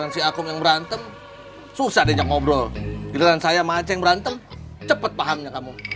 sampai jumpa di video selanjutnya